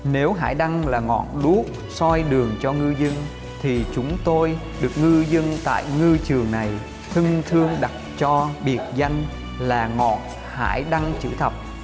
nếu hải đăng là ngọn đuốt xoay đường cho ngư dân thì chúng tôi được ngư dân tại ngư trường này thân thương đặt cho biệt danh là ngọn hải đăng chữ thập